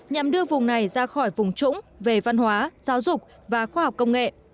nhằm đưa vùng này ra khỏi vùng trũng về văn hóa giáo dục và khoa học công nghệ